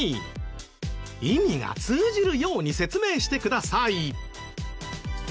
意味が通じるように説明してください。